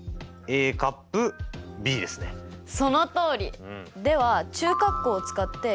そのとおり！